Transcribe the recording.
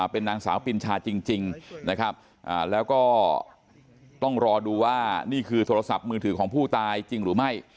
เป็นนางสาวปินชาจริงนะครับแล้วก็ต้องรอดูว่านี่คือโทรศัพท์มือถือของผู้ตายจริงหรือไม่